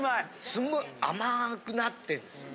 すんごい甘くなってんです。